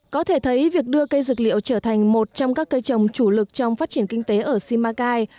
có thể thấy việc đưa cây dược liệu trở thành một trong các cây trồng chủ lực trong phát triển kinh tế ở simacai